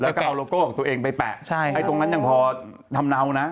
แล้วก็เอาโลโก้ของตัวเองไปแปะใช่ไอ้ตรงนั้นยังพอทำเนานะ